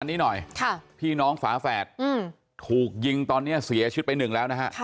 อันนี้หน่อยพี่น้องฝาแฝดถูกยิงตอนนี้เสียชีวิตไปหนึ่งแล้วนะฮะ